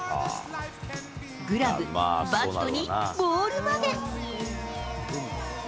グラブ、バットにボールまで。